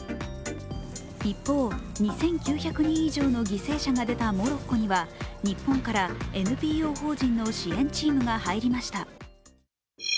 一方、２９００人以上の犠牲者が出たモロッコには日本からＮＰＯ法人の支援チームが入りました。